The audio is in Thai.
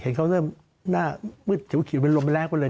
เห็นเขาหน้ามืดเฉียวขีดเป็นลมแรงไปเลย